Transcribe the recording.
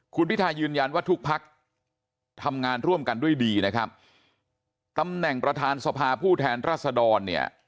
คุณพิทายืนยันว่าทุกพักทำงานร่วมกันด้วยดีนะครับตำแหน่งประธานสภาผู้แทนรัศดรเนี่ย